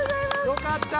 よかった。